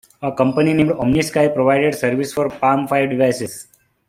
A company named OmniSky provided service for Palm Five devices.